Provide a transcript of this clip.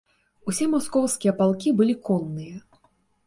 Усе маскоўскія палкі былі конныя.